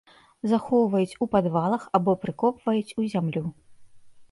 Захоўваюць у падвалах або прыкопваюць у зямлю.